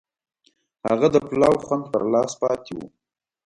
هغه د پلاو خوند پر لاس پاتې و.